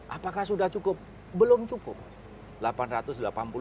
apakah sudah cukup belum cukup